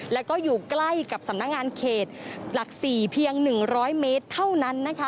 แล้วก็อยู่ใกล้กับสำนักงานเขตหลัก๔เพียง๑๐๐เมตรเท่านั้นนะคะ